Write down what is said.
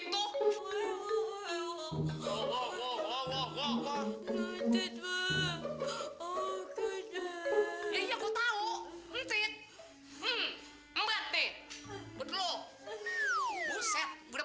boleh boleh dong dong gue bf sendiri